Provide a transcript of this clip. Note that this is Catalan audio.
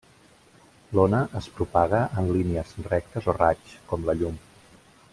L'ona es propaga en línies rectes o raigs, com la llum.